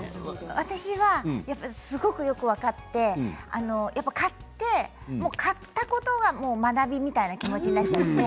私はすごくよく分かって買って、買ったことが学びみたいな気持ちになって。